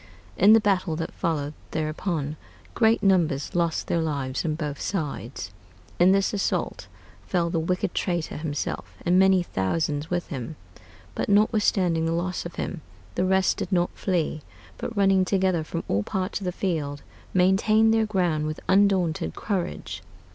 In the battle that followed thereupon, great numbers lost their lives on both sides.... In this assault fell the wicked traitor himself, and many thousands with him. But notwithstanding the loss of him, the rest did not flee, but running together from all parts of the field, maintained their ground with undaunted courage.